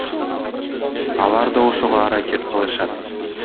Алар да ошого аракет кылышат.